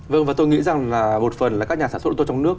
vâng và tôi nghĩ rằng là một phần là các nhà sản xuất laptop trong nước